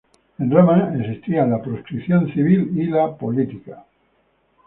En Roma, existían la "proscripción civil" y la "política".